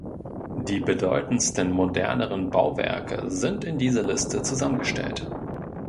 Die bedeutendsten moderneren Bauwerke sind in dieser Liste zusammengestellt.